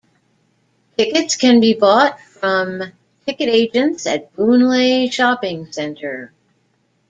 Tickets can be bought from ticket agents at Boon Lay Shopping Centre.